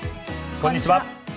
こんにちは。